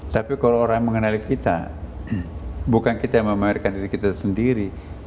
tapi kalau orang mengenali kita bukan kita yang memamerkan diri kita sendiri